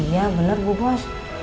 iya bener bu bos